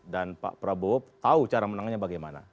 dan pak prabowo tahu cara menangnya bagaimana